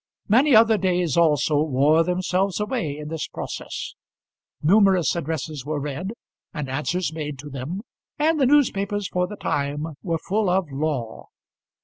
Many other days also wore themselves away in this process; numerous addresses were read, and answers made to them, and the newspapers for the time were full of law.